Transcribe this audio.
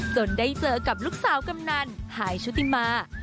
ได้เจอกับลูกสาวกำนันหายชุติมา